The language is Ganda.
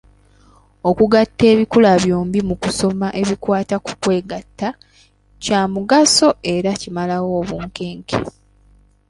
Okugatta ebikula byombi mu kusoma ebikwata ku kwegatta kya mugaso era kimalawo obunkenke.